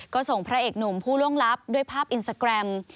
ก็ส่งพระเอกหนุ่มผู้ล่วงลับด้วยภาพอินสตาแกรม